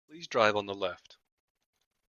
Please drive on the left.